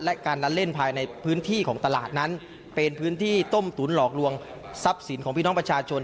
และการละเล่นภายในพื้นที่ของตลาดนั้นเป็นพื้นที่ต้มตุ๋นหลอกลวงทรัพย์สินของพี่น้องประชาชน